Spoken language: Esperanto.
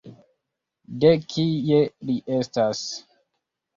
De kie li estas?